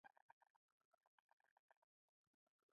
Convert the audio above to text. د بایسکل سیټ لوړوالی مناسب وي.